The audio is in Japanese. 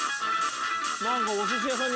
何かおすし屋さんに